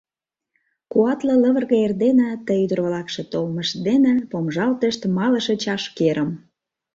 Куатле лывырге эрдене Ты ӱдыр-влакше толмышт дене Помыжалтышт малыше чашкерым.